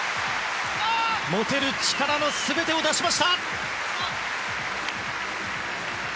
持てる力の全てを出しました！